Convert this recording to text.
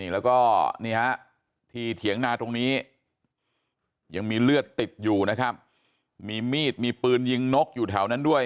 แล้วก็นี่ฮะที่เถียงนาตรงนี้ยังมีเลือดติดอยู่นะครับมีมีดมีปืนยิงนกอยู่แถวนั้นด้วย